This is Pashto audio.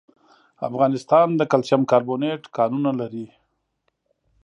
افغانستان د کلسیم کاربونېټ کانونه لري.